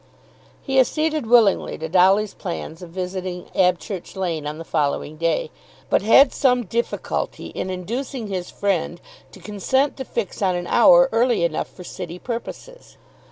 He acceded willingly to Dolly's plan of visiting Abchurch Lane on the following day, but had some difficulty in inducing his friend to consent to fix on an hour early enough for city purposes.